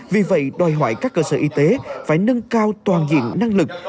vì vậy đòi hỏi các cơ sở y tế phải nâng cao toàn diện năng lực